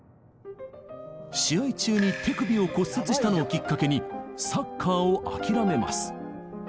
試合中に手首を骨折したのをきっかけにサッカーを諦めます。